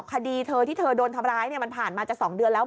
คดีเธอที่เธอโดนทำร้ายมันผ่านมาจะ๒เดือนแล้ว